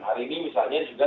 hari ini misalnya